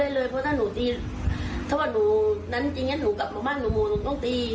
เราเผยบอกถ้าเธอค่อยไม่เชื่อว่ามินซูอาร์ตรงที่นูค่อยไม่ตี